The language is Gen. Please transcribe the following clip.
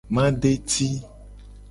Madeti.